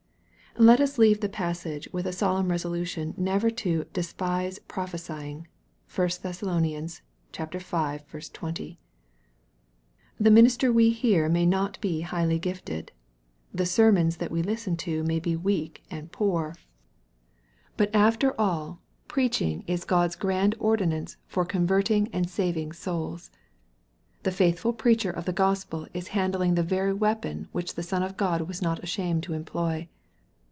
Let us leave the passage with a solemn resolution never to " despise prophesying." (1 Thess. v. 20.) The minister we hear may not be highly gifted. The sermons that we listen to mav be weak and poor. But after all, MARK CHAP. I. 21 preaching is God's grand ordinance for converting and saving souls. The faithful preacher of the Gospel is handling the very weapon which the Son of God was not ashamed to employ.